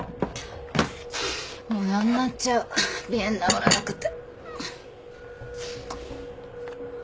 もうやんなっちゃう鼻炎治らなくて。